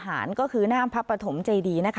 มันเป็นสิ่งที่เราไม่ได้รู้สึกว่า